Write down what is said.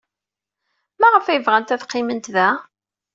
Maɣef ay bɣant ad qqiment da?